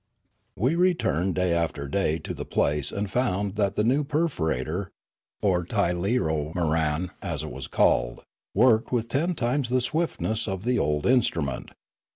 We returned day after day to the place and found that the new perforator, or tirleomoran as it was called, worked with ten times the swiftness of the old instru ment.